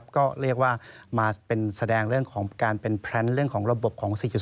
ก็เรียกว่ามาเป็นแสดงการเป็นแพลนเรื่องของระบบของ๔๐